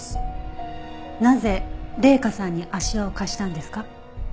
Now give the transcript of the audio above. なぜ麗華さんに足環を貸したんですか？